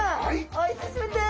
お久しぶりです。